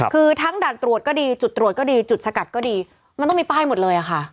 คือทั้งด่านตรวจก็ดีจุดตรวจก็ดีจุดสกัดก็ดีมันต้องมีป้ายหมดเลยค่ะ